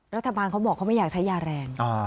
รัฐบาลเขาบอกไม่อยากใช้ยาแรง